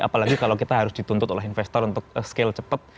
apalagi kalau kita harus dituntut oleh investor untuk scale cepat